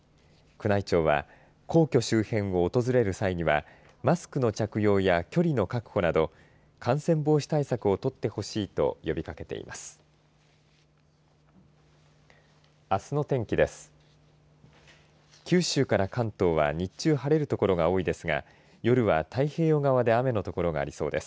宮内庁は皇居周辺を訪れる際にはマスクの着用や距離の確保など感染防止対策を取ってほしいと呼びかけています。